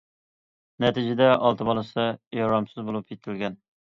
نەتىجىدە ئالتە بالىسى يارامسىز بولۇپ يېتىلگەن.